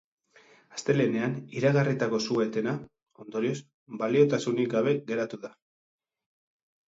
Astelehenean iragarritako su-etena, ondorioz, baliotasunik gabe geratu da.